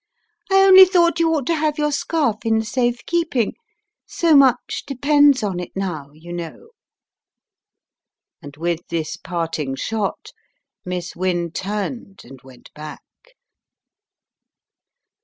I only thought you ought to have your scarf in safe keeping, so much depends on it now,, you know," and with this parting shot, Miss Wynne turned and went back.